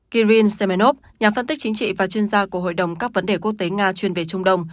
kirin semenov nhà phân tích chính trị và chuyên gia của hội đồng các vấn đề quốc tế nga chuyên về trung đông